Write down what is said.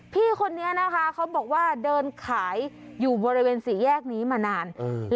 พี่คนนี้นะคะเขาบอกว่าเดินขายอยู่บริเวณสี่แยกนี้มานาน